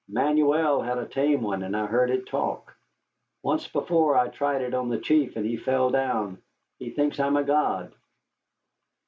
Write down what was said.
"Manuel had a tame one, and I heard it talk. Once before I tried it on the chief, and he fell down. He thinks I'm a god."